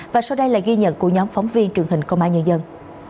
và sau đây là ghi nhận của nhóm phóng viên truyền hình công an nhân dân